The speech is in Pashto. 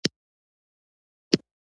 وژنه د خواخوږۍ خلاف ده